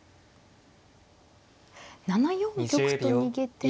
７四玉と逃げても。